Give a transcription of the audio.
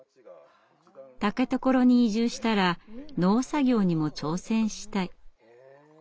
竹所に移住したら農作業にも挑戦したい。